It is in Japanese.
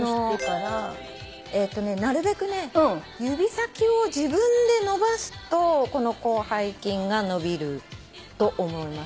なるべくね指先を自分で伸ばすとこの広背筋が伸びる。と思います。